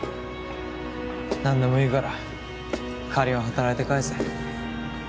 何でもいいから借りは働いて返せ。